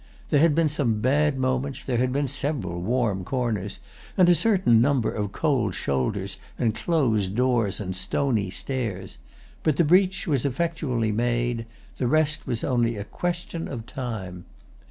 There had been some bad moments, there had been several warm corners and a certain number of cold shoulders and closed doors and stony stares; but the breach was effectually made—the rest was only a question of time.